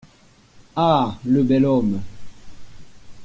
Ah ! le bel homme !